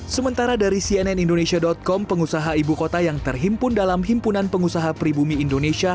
sementara dari cnn indonesia com pengusaha ibu kota yang terhimpun dalam himpunan pengusaha pribumi indonesia